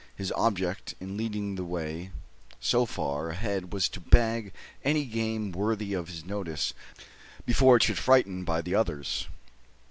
His object in leading the way so far ahead was to bag any game worthy of his notice, before it should be frightened by the others.